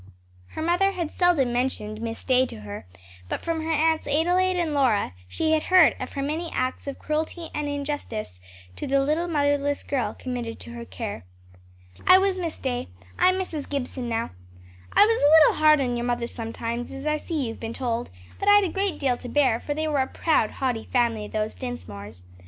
Her mother had seldom mentioned Miss Day to her, but from her Aunts Adelaide and Lora she had heard of her many acts of cruelty and injustice to the little motherless girl committed to her care. "I was Miss Day; I'm Mrs. Gibson now. I was a little hard on your mother sometimes, as I see you've been told; but I'd a great deal to bear; for they were a proud, haughty family those Dinsmores.